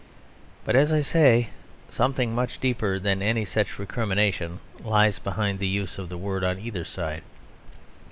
But, as I say, something much deeper than any such recrimination lies behind the use of the word on either side.